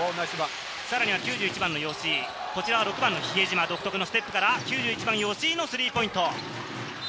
さらには９１番の吉井、こちらが６番の比江島、独特のステップから９１番・吉井のスリーポイント。